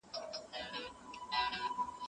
کله د ملګرو مرسته زموږ ذهني حالت ښه کوي؟